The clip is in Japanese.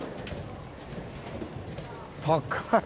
高い。